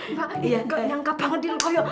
mbak gak nyangka banget di lo